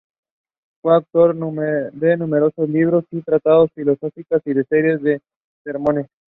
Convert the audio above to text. Fue autor de numerosos libros y tratados filosóficos y de una serie de sermones.